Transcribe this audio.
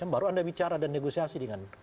baru anda bicara dan negosiasi dengan